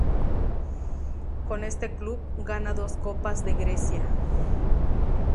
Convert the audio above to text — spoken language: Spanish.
Con este club gana dos Copas de Grecia.